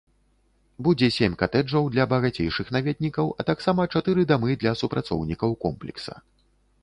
Будзе сем катэджаў для багацейшых наведнікаў, а таксама чатыры дамы для супрацоўнікаў комплекса.